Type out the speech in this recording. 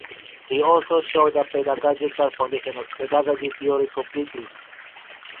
He also showed the pedagogical foundation of pedagogy theory completely.